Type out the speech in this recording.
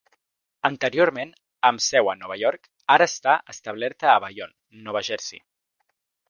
Anteriorment amb seu a Nova York, ara està establerta a Bayonne, Nova Jersey.